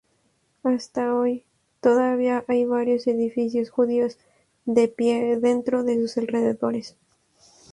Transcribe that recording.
Hasta hoy, todavía hay varios edificios judíos de pie dentro de sus alrededores.